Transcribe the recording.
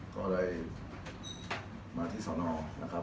ก็เลยมาที่สอนอนะครับ